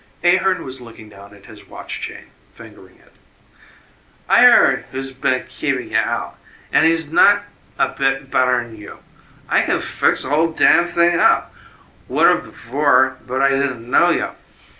Ahearn was looking down at his watch chain, fingering it. "I heard who's been keepin' y' out, an' he's not a bit better'n you. I can fix whole damn thing up. Would've before, but I didn't know you.